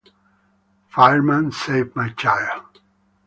Fireman Save My Child